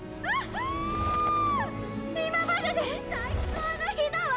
今までで最高の日だわ！